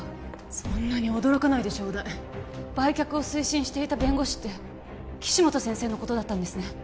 そんなに驚かないでちょうだい売却を推進していた弁護士って岸本先生のことだったんですね